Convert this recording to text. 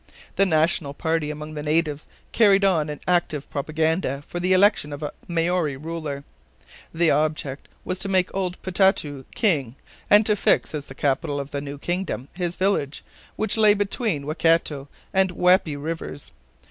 The national party among the natives carried on an active propaganda for the election of a Maori ruler. The object was to make old Potatau king, and to fix as the capital of the new kingdom his village, which lay between the Waikato and Waipa Rivers.